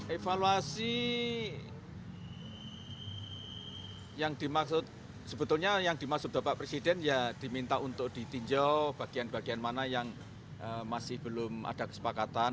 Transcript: evaluasi yang dimaksud sebetulnya yang dimaksud bapak presiden ya diminta untuk ditinjau bagian bagian mana yang masih belum ada kesepakatan